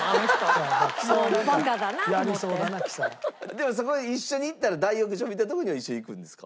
でもそこ一緒に行ったら大浴場みたいなとこには一緒に行くんですか？